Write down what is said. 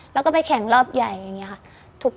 แล้วก็ไปแข่งรอบใหญ่อย่างนี้ค่ะ